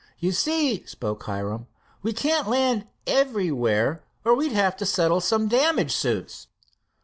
"You see," spoke Hiram, "we can't land everywhere, or we'd have to settle some damage suits."